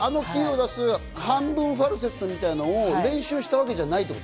半分ファルセットみたいなのを練習したわけではない？